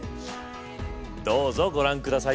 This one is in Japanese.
どうぞご覧下さい！